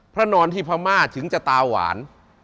พระนอนคุณที่พระม่าถึงจะตาหวาน